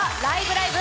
ライブ！